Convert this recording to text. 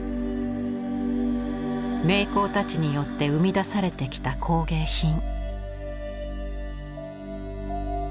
名工たちによって生み出されてきた工芸品。